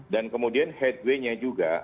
kemudian headway nya juga